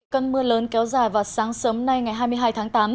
cơn mưa lớn kéo dài vào sáng sớm nay ngày hai mươi hai tháng tám